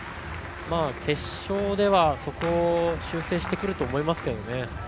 決勝ではそこを修正してくると思いますけどね。